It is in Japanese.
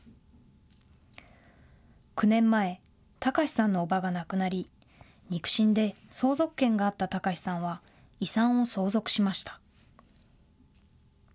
９年前、隆史さんの叔母が亡くなり、肉親で相続権があった隆史さんは遺産を相続しました。